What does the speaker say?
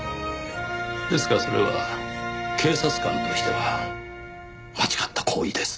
ですがそれは警察官としては間違った行為です。